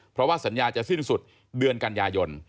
เพราะว่าสัญญาจะสิ้นสุดเดือนกันยายน